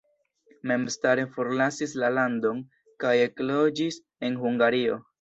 Memstare forlasis la landon kaj ekloĝis en Hungario.